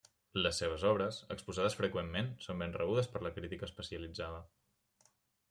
Les seves obres, exposades freqüentment, són ben rebudes per la crítica especialitzada.